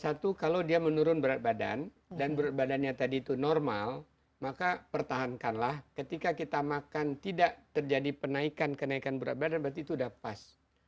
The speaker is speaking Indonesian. satu kalau dia menurun berat badan dan berat badannya tadi itu normal maka pertahankanlah ketika kita makan tidak terjadi penaikan kenaikan berat badan berarti itu sudah pas